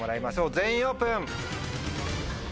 全員オープン！